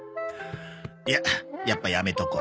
いややっぱやめとこ。